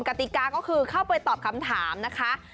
กติกาก็คือเข้าไปตอบคำถามนะคะ